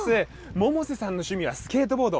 百瀬さんの趣味はスケートボード。